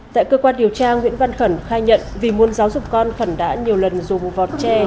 tại cơ quan điều tra nguyễn văn khẩn khai nhận vì muốn giáo dục con khẩn đã nhiều lần dùng vọt tre